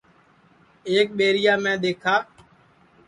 ایک ٻیریا میں دؔیکھا